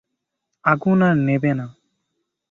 আগুন আর নেবে না।